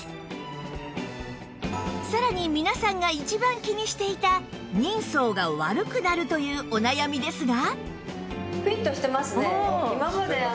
さらに皆さんが一番気にしていた人相が悪くなるというお悩みですが